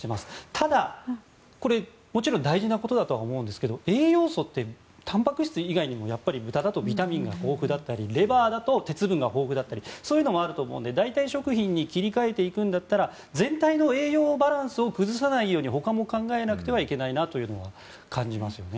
ただ、これはもちろん大事なことだと思うんですが栄養素ってたんぱく質以外にも豚だとビタミンが豊富だったりレバーだと鉄分が豊富だったりそういうのもあると思うので代替食品に切り替えていくんだったら全体の栄養バランスを崩さないようにほかも考えなくてならないなと感じますね。